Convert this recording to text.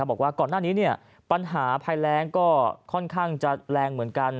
บอกว่าก่อนหน้านี้ปัญหาภัยแรงก็ค่อนข้างจะแรงเหมือนกัน